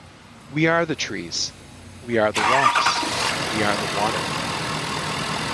We are the trees, we are the rocks, we are the water.